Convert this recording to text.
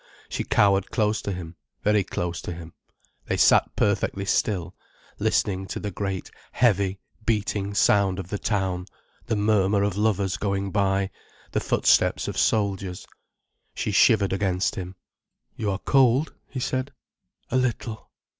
She cowered close to him, very close to him. They sat perfectly still, listening to the great, heavy, beating sound of the town, the murmur of lovers going by, the footsteps of soldiers. She shivered against him. "You are cold?" he said. "A little."